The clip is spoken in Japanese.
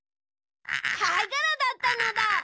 かいがらだったのだ。